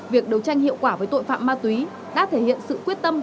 việc đấu tranh hiệu quả với tội phạm ma túy đã thể hiện sự quyết tâm